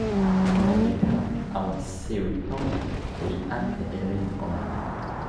ona li tawa sewi tomo, li ante e len ona.